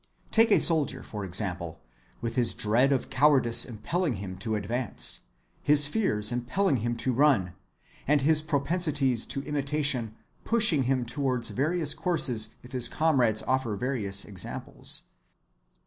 Take a soldier, for example, with his dread of cowardice impelling him to advance, his fears impelling him to run, and his propensities to imitation pushing him towards various courses if his comrades offer various examples.